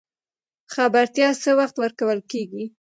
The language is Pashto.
خبرتیا څه وخت ورکول کیږي؟